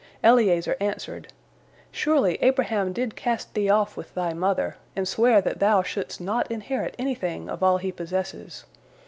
Eliezer answered: "Surely, Abraham did cast thee off with thy mother, and swear that thou shouldst not inherit anything of all he possesses.